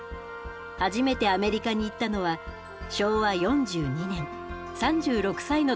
初めてアメリカに行ったのは昭和４２年３６歳の時でした。